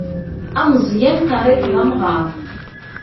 Ameẓẓyan terriḍ-t d amɣar.